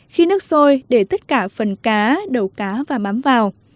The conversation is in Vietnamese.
khi nước sôi để tất cả phần cá đầu cá và mắm vào